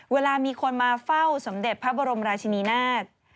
เวลามีคนมาเฝ้าสมเด็จพระบรมราชินีนาฏ